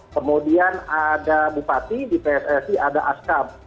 kemudian ada bupati di pssi ada askam